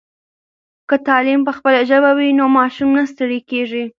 که تعلیم په خپله ژبه وي نو ماشوم نه ستړی کېږي.